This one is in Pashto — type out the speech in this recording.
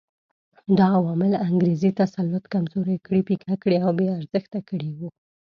دا عوامل انګریزي تسلط کمزوري کړي، پیکه کړي او بې ارزښته کړي وو.